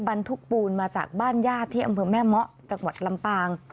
บรรทุกปูนมาจากบ้านญาติที่อำเภอแม่เมาะจังหวัดลำปาง